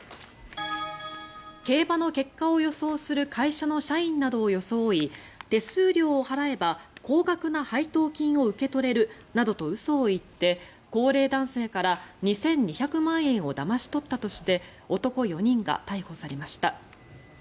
競馬の結果を予想する会社の社員などを装い手数料を払えば高額な配当金を受け取れるなどと嘘を言って高齢男性から２２００万円をだまし取ったとして男４人が逮捕されました。